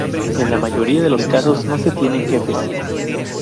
En la mayoría de los casos no se tienen jefes.